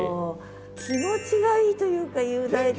気持ちがいいというか雄大だというか。